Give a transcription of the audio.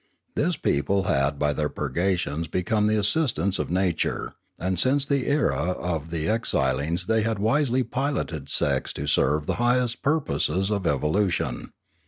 This people had by their purgations become the assistants of nature; and since the era of the exilings they had wisely piloted sex to serve the highest purposes of evo lution.